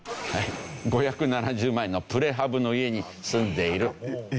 ５７０万円のプレハブの家に住んでいる。